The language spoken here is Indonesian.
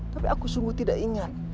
tapi aku sungguh tidak ingat